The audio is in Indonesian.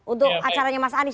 untuk acaranya mas anies